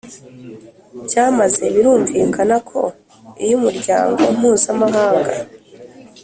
byamaze Birumvikana ko iyo umuryango mpuzamahanga